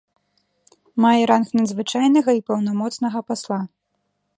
Мае ранг надзвычайнага і паўнамоцнага пасла.